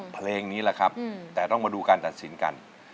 เพลงนี้แหละครับแต่ต้องมาดูการตัดสินกัน